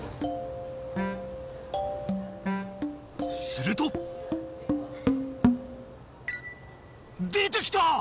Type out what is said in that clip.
すると出て来た！